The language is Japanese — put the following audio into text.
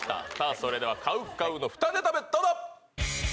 それではＣＯＷＣＯＷの２ネタ目どうぞ！